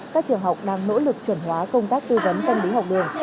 các trường học đang nỗ lực chuẩn hóa công tác tư vấn tâm lý học đường